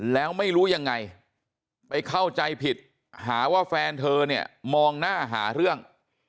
แล้วไม่รู้ยังไงไปเข้าใจผิดหาว่าแฟนเธอเนี่ยมองหน้าหาเรื่อง